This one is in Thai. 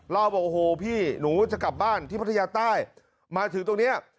เล่าบอกโอ้โหพี่หนูจะกลับบ้านที่พัทยาใต้มาถึงตรงนี้